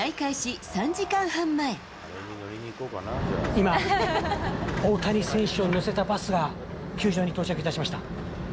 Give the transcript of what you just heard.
今、大谷選手を乗せたバスが球場に到着いたしました。